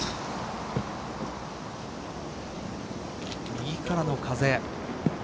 右からの風。